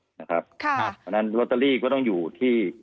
เพราะฉะนั้นลอตเตอรี่ก็ต้องอยู่ที่